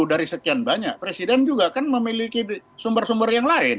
dari sekian banyak presiden juga kan memiliki sumber sumber yang lain